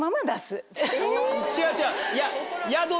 違う違う。